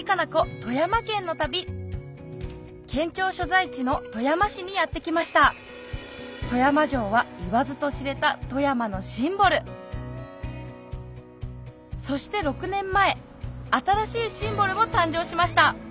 富山県の旅県庁所在地の富山市にやって来ました富山城は言わずと知れた富山のシンボルそして６年前新しいシンボルも誕生しました